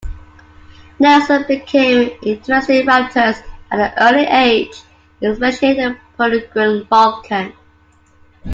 Nelson became interested in raptors at an early age, especially the peregrine falcon.